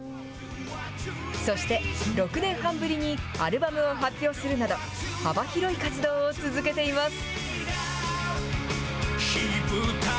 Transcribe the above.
そして６年半ぶりにアルバムを発表するなど、幅広い活動を続けています。